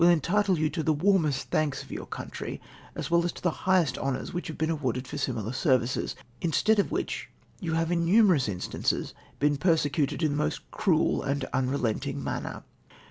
entitle you to the warmest thanks of your country, as well as to the highest honours which have been awarded for similar services. Instead of which, you have in numerous instances been persecuted in the most cruel and unrelenting manner.